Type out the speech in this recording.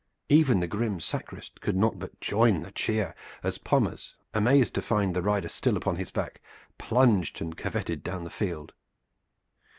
Even the grim sacrist could not but join the cheer, as Pommers, amazed to find the rider still upon his back, plunged and curveted down the field.